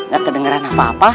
gak kedengeran apa apa